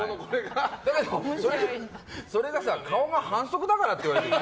だけど、それが顔が反則だからって言われて。